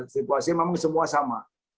situasi memang semua sama